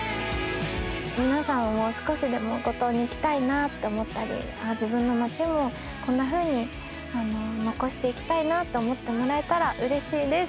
皆さんも少しでも五島に行きたいなって思ったり自分の街もこんなふうに残していきたいなと思ってもらえたらうれしいです。